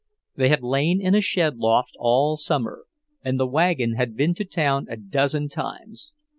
They had lain in a shed loft all summer, and the wagon had been to town a dozen times.